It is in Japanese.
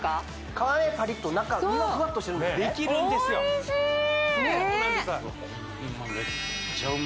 皮目はパリッと中身はふわっとしてるんですねできるんですようわホンマ